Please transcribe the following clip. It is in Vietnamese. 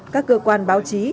các cơ quan báo chí